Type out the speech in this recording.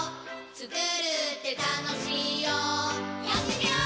つくるってたのしいよやってみよー！